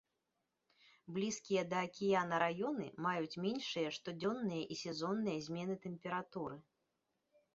Блізкія да акіяна раёны маюць меншыя штодзённыя і сезонныя змены тэмпературы.